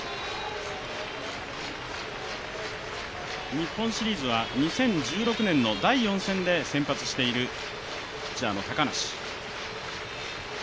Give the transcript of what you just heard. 日本シリーズは２０１６年の第４戦で先発しているピッチャーの高梨。